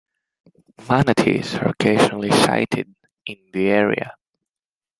Manatees are occasionally sighted in the area.